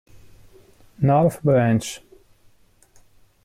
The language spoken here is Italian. North Branch